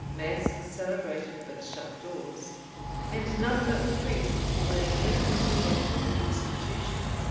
Mass was celebrated with shut doors; and none but the priests were admitted to that holy institution.